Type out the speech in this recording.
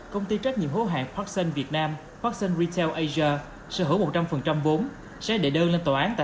công ty trách nhiệm hữu hạng paxson việt nam paxson retail asia sở hữu một trăm linh vốn sẽ đệ đơn lên tòa án tại